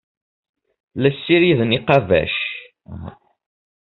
La ssiriden iqbac.